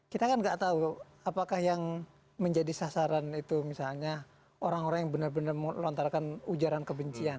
kita kan nggak tahu apakah yang menjadi sasaran itu misalnya orang orang yang benar benar melontarkan ujaran kebencian